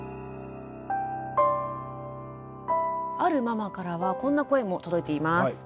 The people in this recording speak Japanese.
あるママからはこんな声も届いています。